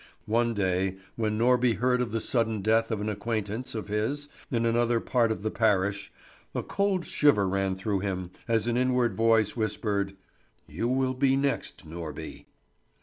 One day, when Norby heard of the sudden death of an acquaintance of his in another part of the parish, a cold shiver ran through him as an inward voice whispered: "You will be the next, Norby."